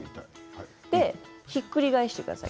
ひっくり返してください。